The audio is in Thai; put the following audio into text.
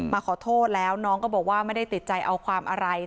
มาขอโทษแล้วน้องก็บอกว่าไม่ได้ติดใจเอาความอะไร